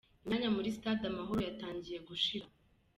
Imyanya muri Stade Amahoro yatangiye gushira.